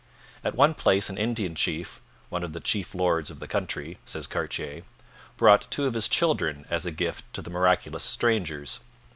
At one place an Indian chief 'one of the chief lords of the country,' says Cartier brought two of his children as a gift to the miraculous strangers.